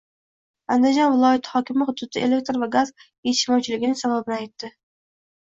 Andijon viloyati hokimi hududda elektr va gaz yetishmovchiligining sababini aytdi